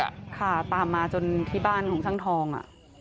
ค่ะตามมาจนที่บ้านของช่างทองอ่ะ